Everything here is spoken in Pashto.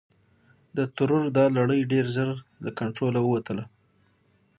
د ترور دا لړۍ ډېر ژر له کنټروله ووتله.